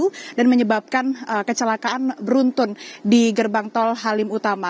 kemudian di lapangan yang diperlukan adalah kecelakaan beruntun di gerbang tol halim utama